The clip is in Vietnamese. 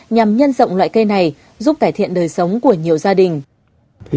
nhằm nhân rộng loại cây này giúp cải thiện đời sống của nhiều gia đình